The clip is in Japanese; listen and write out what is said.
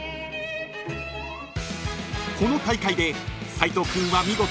［この大会で斎藤君は見事］